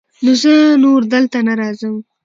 نو زه نور دلته نه راځم.